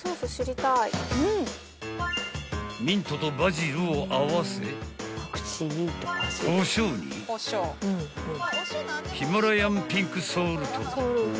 ［ミントとバジルを合わせこしょうにヒマラヤンピンクソルト］